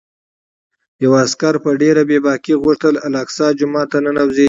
یوه عسکر په ډېرې بې باکۍ غوښتل الاقصی جومات ته ننوځي.